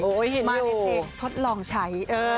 มาเป็นเอกทดลองใช้